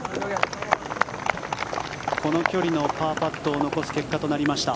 この距離のパーパットを残す結果となりました。